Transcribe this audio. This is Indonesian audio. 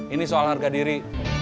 ini soal harga diri